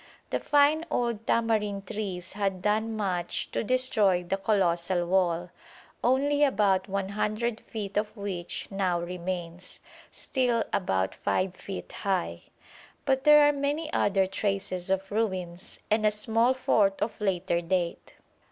The fine old tamarind trees had done much to destroy the colossal wall, only about 100 feet of which now remains, still about 5 feet high; but there are many other traces of ruins and a small fort of later date.